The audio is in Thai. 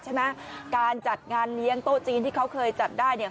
ใช่น่ะการจัดงานเลี้ยงโต๊ะจีนที่เค้าเคยจัดได้